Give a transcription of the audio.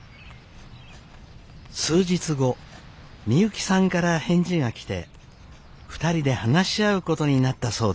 数日後美幸さんから返事が来て２人で話し合うことになったそうです。